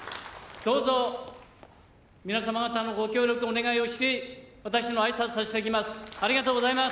どうぞ、皆様方のご協力をお願いをして、私のあいさつとさせていただきます。